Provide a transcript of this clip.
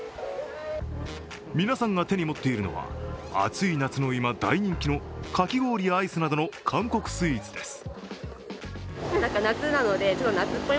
皆さんが手に持っているのは、暑い夏の今、大人気のかき氷やアイスなどの韓国スイーツです。